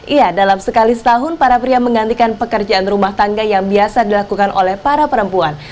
iya dalam sekali setahun para pria menggantikan pekerjaan rumah tangga yang biasa dilakukan oleh para perempuan